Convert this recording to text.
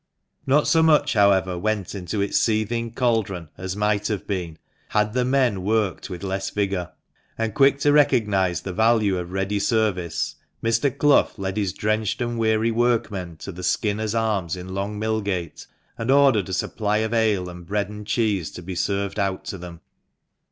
Not so much, however, went into its seething caldron as might have been, had the men worked with less vigour ; and, quick to recognise the value of ready service, Mr. Clough led his drenched and weary workmen to the " Skinners' Arms," in Long Millgate, and ordered a supply of ale and bread and cheese to be served out to them.